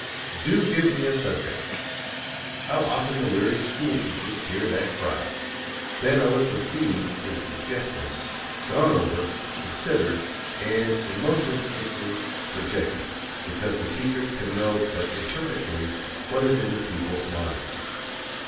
"'Do give me a subject!' How often the weary school teacher hears that cry. Then a list of themes is suggested, gone over, considered, and, in most instances, rejected, because the teacher can know but imperfectly what is in the pupil's mind.